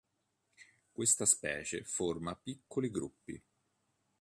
Questa specie forma piccoli gruppi.